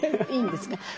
いいんですが。